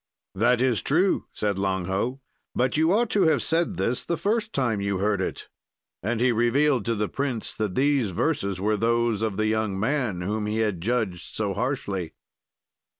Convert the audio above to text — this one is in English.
"'That is true,' said Lang Ho, 'but you ought to have said this the first time you heard it.' "And he revealed to the prince that these verses were those of the young man whom he had judged so harshly."